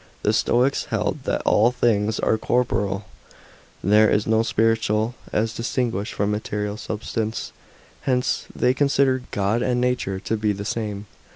The Stoics held that all things are corporeal ; there is no spiritual, as distinguished from material, substance. Hence they considered God and nature to be the same.